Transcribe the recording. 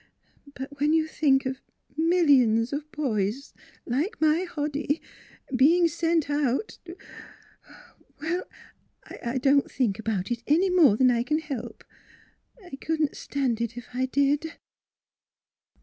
... But when you think of millions of boys, like my Hoddy, being sent out to Well, I don't think about it any more than I can help. I couldn't stand it, if I did."